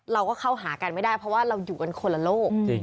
เราก็เข้าหากันไม่ได้เพราะว่าเราอยู่กันคนละโลก